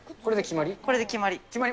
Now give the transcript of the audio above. これで決まり？